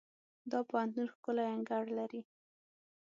دا پوهنتون ښکلی انګړ لري.